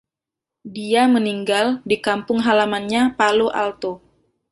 Dia meninggal di kampung halamannya Palo Alto.